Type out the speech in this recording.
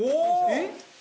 えっ？